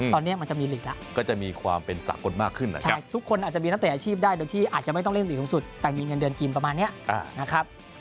ตอนนี้มันจะมีหลีกแล้วก็จะมีความเป็นสากลมากขึ้นนะครับทุกคนอาจจะมีนักเตะอาชีพได้โดยที่อาจจะไม่ต้องเล่นหลีกสูงสุดแต่มีเงินเดือนกินประมาณนี้นะครับ